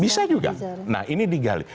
bisa juga nah ini digali